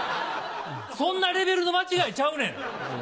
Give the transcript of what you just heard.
そんなレベルの間違いちゃうねん。